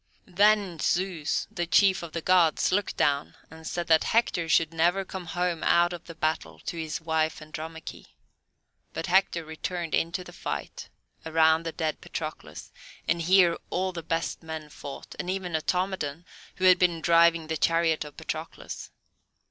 Then Zeus, the chief of the Gods, looked down and said that Hector should never come home out of the battle to his wife, Andromache. But Hector returned into the fight around the dead Patroclus, and here all the best men fought, and even Automedon, who had been driving the chariot of Patroclus.